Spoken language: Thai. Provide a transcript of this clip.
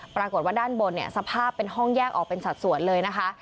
ปรากฏว่าด้านบนเนี่ยสภาพเป็นห้องแยกออกเป็นสัดส่วนเลยนะคะ